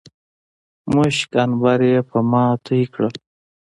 مښک، عنبر يې په ما توى کړل